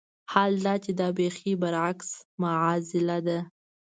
حال دا چې دا بېخي برعکس معاضله ده.